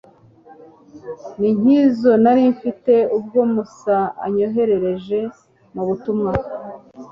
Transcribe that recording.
ni nk'izo nari mfite ubwo musa anyohereje mu butumwa